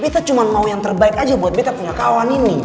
kita cuma mau yang terbaik aja buat kita punya kawan ini